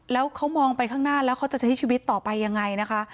แล้วเขามองไปข้างหน้าแล้วเขาจะใช้ชีวิตต่อไปยังไงนะคะ